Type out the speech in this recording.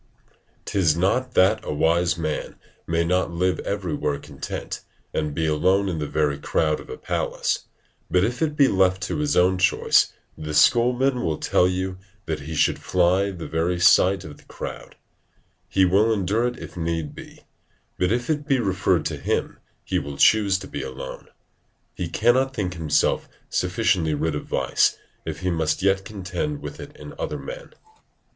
'Tis not that a wise man may not live everywhere content, and be alone in the very crowd of a palace; but if it be left to his own choice, the schoolman will tell you that he should fly the very sight of the crowd: he will endure it if need be; but if it be referred to him, he will choose to be alone. He cannot think himself sufficiently rid of vice, if he must yet contend with it in other men.